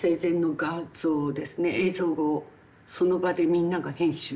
映像をその場でみんなが編集をし始め。